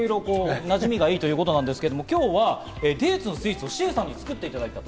なじみがいいということですけど、今日はデーツのスイーツをシエさんにも作っていただきました。